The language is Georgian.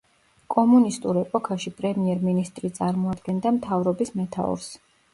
კომუნისტურ ეპოქაში პრემიერ-მინისტრი წარმოადგენდა მთავრობის მეთაურს.